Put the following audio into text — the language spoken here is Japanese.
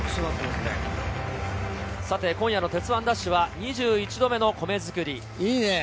今夜の『鉄腕！ＤＡＳＨ！！』は２１度目の米作り。